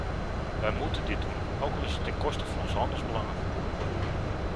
Wij moeten dit doen, ook al is het ten koste van onze handelsbelangen.